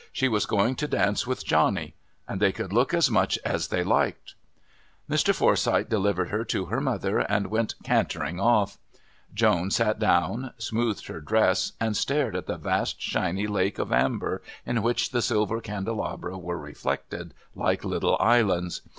She was going to dance with Johnny, and they could look as much as they liked. Mr. Forsyth delivered her to her mother and went cantering off. Joan sat down, smoothed her dress and stared at the vast shiny lake of amber in which the silver candelabra were reflected like little islands.